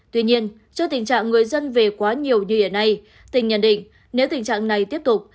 tuy nhiên trước tình trạng người dân về quá nhiều như hiện nay tỉnh nhận định nếu tình trạng này tiếp tục